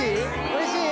おいしい？